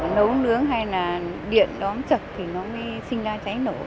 nấu nướng hay là điện đóng chật thì nó mới sinh ra trái nổ